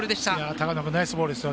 高野君ナイスボールですよ。